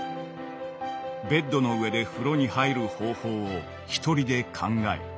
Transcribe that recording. ベッドの上で風呂に入る方法を一人で考え